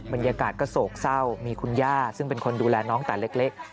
บรรยากาศก็โศกเศร้ามีคุณย่าซึ่งเป็นคนดูแลน้องแต่เล็ก